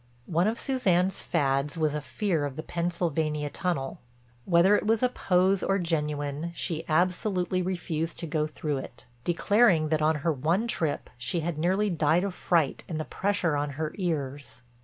One of Suzanne's fads was a fear of the Pennsylvania Tunnel. Whether it was a pose or genuine she absolutely refused to go through it, declaring that on her one trip she had nearly died of fright and the pressure on her ears.